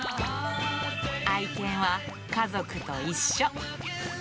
愛犬は家族と一緒。